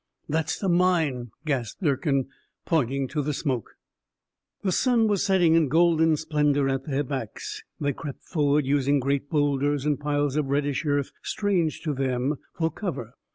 "That's the mine," gasped Durkin, pointing to the smoke. The sun was setting in golden splendor at their backs; they crept forward, using great boulders and piles of reddish earth, strange to them, for cover.